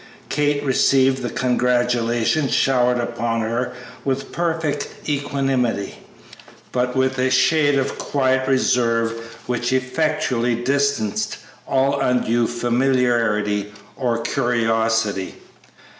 Kate received the congratulations showered upon her with perfect equanimity, but with a shade of quiet reserve which effectually distanced all undue familiarity or curiosity.